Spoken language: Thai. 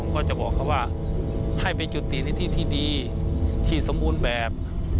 ก็จะบอกเขาว่าให้ไปจุติในที่ที่ดีที่สมบูรณ์แบบ